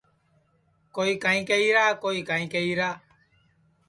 کوئی کائیں کہیرا کوئی کائیں کہیرا